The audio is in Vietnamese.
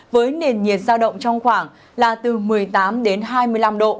với nền nhiệt giao động trong khoảng là từ một mươi tám đến hai mươi năm độ